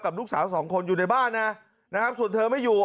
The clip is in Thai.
ลูกสาวสองคนอยู่ในบ้านนะนะครับส่วนเธอไม่อยู่